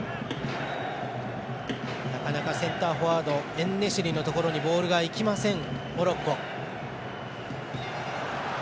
なかなかセンターフォワードエンネシリのところにボールがいきません、モロッコ。